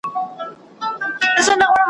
د کباب هره ټوته د زهرو جام وو `